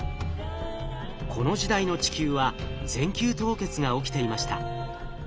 この時代の地球は全球凍結が起きていました。